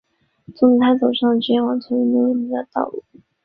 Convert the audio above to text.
从此她走上了职业网球运动员的道路。